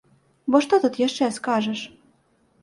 Бо што тут яшчэ скажаш?